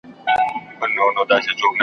د واسکټ شیطانان .